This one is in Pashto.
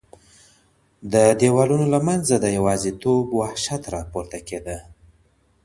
د دیوالونو له منځه د یوازیتوب وحشت راپورته کېده.